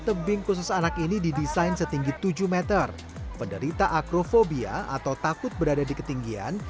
tebing khusus anak ini didesain setinggi tujuh m penderita akrofobia atau takut berada di ketinggian